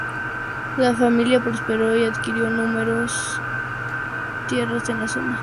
La familia prosperó y adquirió numerosas tierras en la zona.